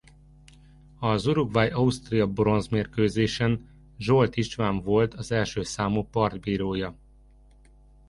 Az Uruguay–Ausztria bronzmérkőzésen Zsolt István volt az első számú partbírója.